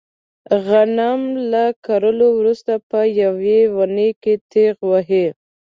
غنم له کرلو ورسته په یوه اونۍ کې تېغ وهي.